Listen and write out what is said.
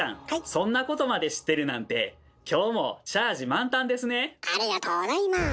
そんなことまで知ってるなんてありがとうございます！